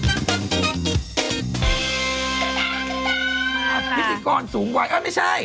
พิธีกรสูงวัย